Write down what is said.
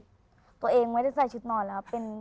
ตัวเองไม่ได้ใส่ชุดนอนแล้ว